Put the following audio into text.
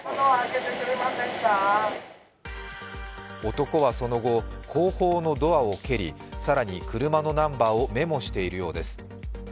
男はその後、後方のドアを蹴り更に車のナンバーをメモしているようです。